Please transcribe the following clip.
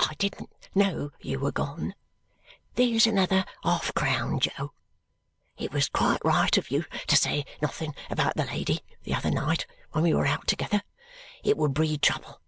"I didn't know you were gone there's another half crown, Jo. It was quite right of you to say nothing about the lady the other night when we were out together. It would breed trouble.